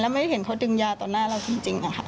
และไม่ได้เห็นเขาดึงยาต่อหน้าเราจริงค่ะ